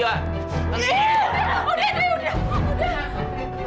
udah udah dary udah